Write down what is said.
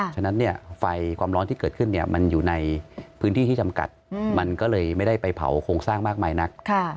ฉะนั้นไฟความร้อนที่เกิดขึ้นมันอยู่ในพื้นที่ที่จำกัดมันก็เลยไม่ได้ไปเผาโครงสร้างมากมายนัก